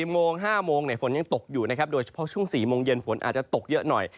โมง๕โมงฝนยังตกอยู่นะครับโดยเฉพาะช่วง๔โมงเย็นฝนอาจจะตกเยอะหน่อย